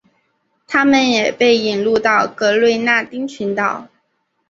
它们也被引入到格瑞纳丁群岛。